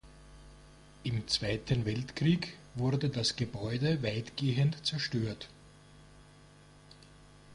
Im Zweiten Weltkrieg wurde das Gebäude weitgehend zerstört.